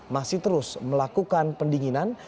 masih terus melakukan pendekatan